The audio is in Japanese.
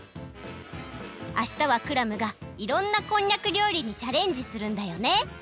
あしたはクラムがいろんなこんにゃくりょうりにチャレンジするんだよね？